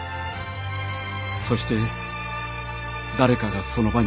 そして誰かがその場に来た。